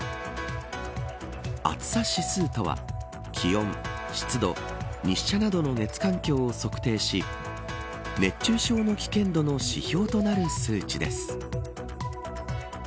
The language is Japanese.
暑さ指数とは気温、湿度、日射などの熱環境を測定し熱中症の危険度の指標となる数値です。